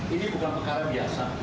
ini bukan perkara biasa